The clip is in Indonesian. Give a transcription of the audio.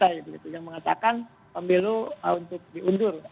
yang mengatakan pemilu untuk diundur